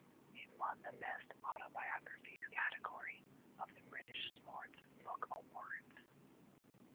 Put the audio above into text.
It won the Best Autobiography category of the British Sports Book Awards.